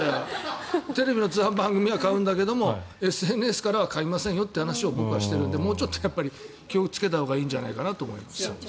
テレビの通販番組は買うんだけどＳＮＳからは買いませんよという話を僕はしているのでもうちょっと気をつけたほうがいいんじゃないかなと。